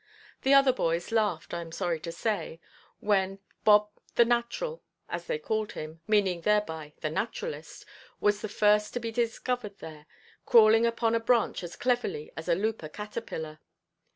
The other boys laughed, I am sorry to say, when "Bob, the natural," as they called him, meaning thereby the naturalist, was the first to be discovered there, crawling upon a branch as cleverly as a looper caterpillar.